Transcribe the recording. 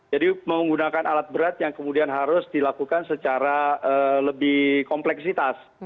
jadi menggunakan alat berat yang kemudian harus dilakukan secara lebih kompleksitas